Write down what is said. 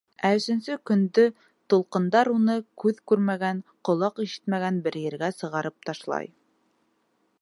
Ә өсөнсө көндө тулҡындар уны күҙ күрмәгән, ҡолаҡ ишетмәгән бер ергә сығарып ташлай.